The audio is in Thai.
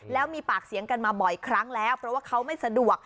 แล้วมีปากเสียงกันมาบ่อยครั้งแล้วเพราะว่าเขาไม่สะดวก